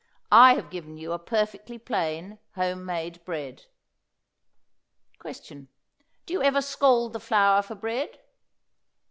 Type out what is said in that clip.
I have given you a perfectly plain home made bread. Question. Do you ever scald the flour for bread?